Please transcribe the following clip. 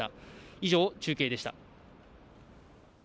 以上、中継でした。